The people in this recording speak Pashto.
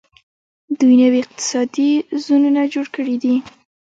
دوی نوي اقتصادي زونونه جوړ کړي دي.